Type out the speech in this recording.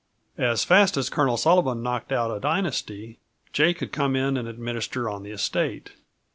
As fast as Col. Sullivan knocked out a dynasty Jay could come in and administer on the estate.